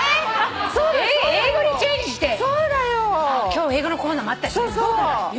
今日英語のコーナーもあったしね。